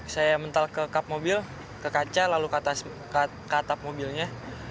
saya mental ke kap mobil ke kaca lalu ke atap mobilnya